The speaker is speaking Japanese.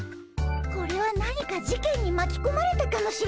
これは何か事件にまきこまれたかもしれないねえ。